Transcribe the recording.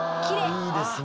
いいですね。